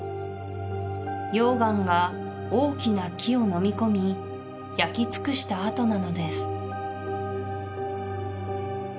溶岩が大きな木を飲み込み焼き尽くした跡なのです